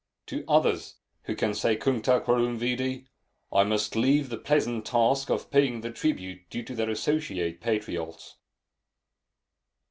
To others, who can say cuncta quorum vidi, I must leave the pleasant task of paying the tribute due to their associate patriots.